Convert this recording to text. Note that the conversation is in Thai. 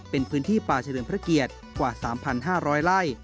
เป็นพื้นที่ป่าเฉลิมพระเกียรติกว่า๓๕๐๐ไร่